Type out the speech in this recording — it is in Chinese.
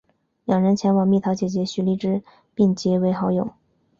两人前往蜜桃姐姐徐荔枝并结为好友。